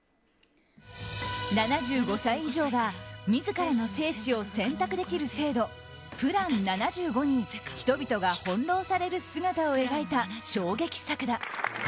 ７５歳以上が自らの生死を選択できる制度プラン７５に人々が翻弄される姿を描いた衝撃作だ。